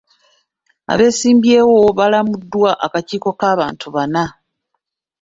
Abeesimbyewo balamuddwa akakiiko ka bantu bana.